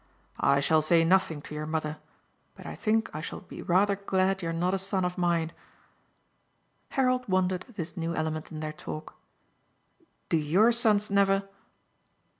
"I shall say nothing to your mother, but I think I shall be rather glad you're not a son of mine." Harold wondered at this new element in their talk. "Do your sons never